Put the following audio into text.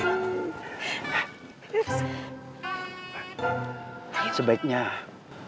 kita akan mencari